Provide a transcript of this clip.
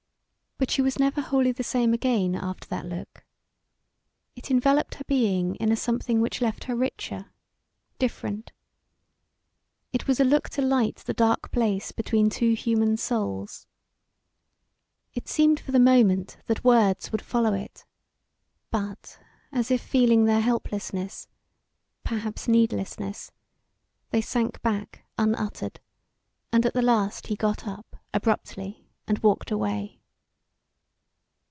But she was never wholly the same again after that look. It enveloped her being in a something which left her richer different. It was a look to light the dark place between two human souls. It seemed for the moment that words would follow it, but as if feeling their helplessness perhaps needlessness they sank back unuttered, and at the last he got up, abruptly, and walked away.